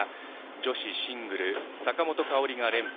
女子シングル、坂本花織が連覇。